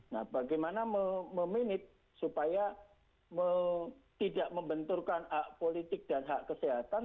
nah bagaimana memanage supaya tidak membenturkan hak politik dan hak kesehatan